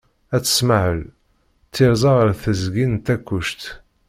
At Smaεel, Ttirza ɣer teẓgi n Takkuct.